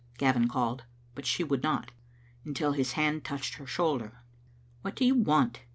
Gavin called, but she would not, until his hand touched her shoulder. "What do you want?"